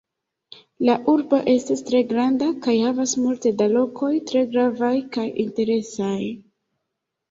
La urbo estas tre granda kaj havas multe da lokoj tre gravaj kaj interesaj.